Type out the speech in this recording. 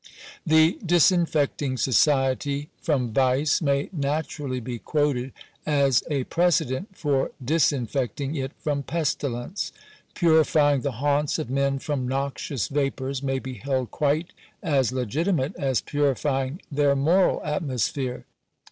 The disinfecting society from vice may naturally be quoted as a pre cedent for disinfecting it from pestilence. Purifying the haunts of men from noxious vapours may be held quite as legitimate Digitized by VjOOQIC SANITARY SUPERVISION. .375 as purifying their moral atmosphere.